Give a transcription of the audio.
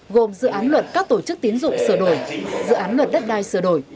gồm dự án luật các tổ chức tiến dụng sửa đổi dự án luật đất đai sửa đổi